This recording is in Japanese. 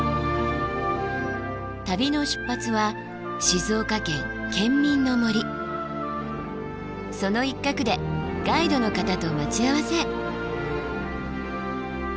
旅の出発はその一角でガイドの方と待ち合わせ。